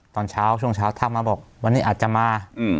ตอนเช้าช่วงเช้าทักมาบอกวันนี้อาจจะมา